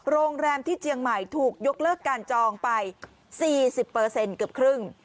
โรงแรมที่เจียงใหม่ถูกยกเลิกการจองไป๔๐เกือบครึ่ง